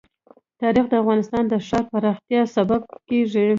تاریخ د افغانستان د ښاري پراختیا سبب کېږي.